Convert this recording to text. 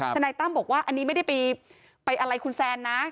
นายตั้มบอกว่าอันนี้ไม่ได้ไปอะไรคุณแซนนะ